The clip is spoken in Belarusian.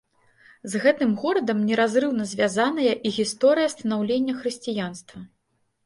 З гэтым горадам неразрыўна звязаная і гісторыя станаўлення хрысціянства.